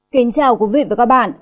kính chào quý vị và các bạn